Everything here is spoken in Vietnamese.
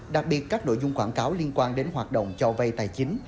đặc biệt các nội dung quảng cáo liên quan đến hoạt động cho vay tài chính